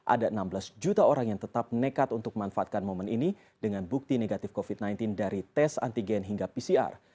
ada enam belas juta orang yang tetap nekat untuk memanfaatkan momen ini dengan bukti negatif covid sembilan belas dari tes antigen hingga pcr